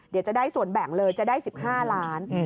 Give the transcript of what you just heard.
เดี๋ยวจะได้ส่วนแบ่งเลยจะได้๑๕ล้าน